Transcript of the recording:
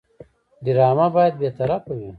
ډرامه باید بېطرفه وي